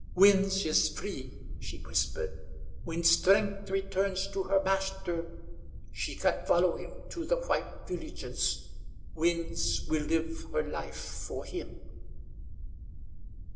"Winds is free," she whispered. "When strength returns to her master she can follow him to the white villages. Winds will live her life for him."